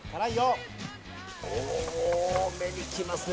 おー、目に来ますね。